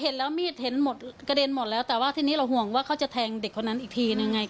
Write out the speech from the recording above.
เห็นแล้วมีดเห็นหมดกระเด็นหมดแล้วแต่ว่าทีนี้เราห่วงว่าเขาจะแทงเด็กคนนั้นอีกทีนึงไง